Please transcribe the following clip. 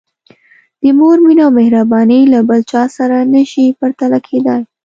د مور مینه او مهرباني له بل چا سره نه شي پرتله کېدای.